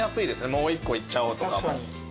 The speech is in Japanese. もう１個いっちゃおうとかも。